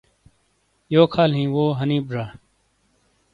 یوک حال ہی وہوحنیپ ڙا؟